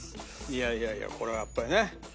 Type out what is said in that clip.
いやいやいやこれはやっぱりね。